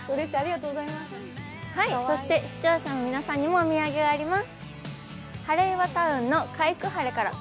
そして視聴者の皆さんにもお土産があります。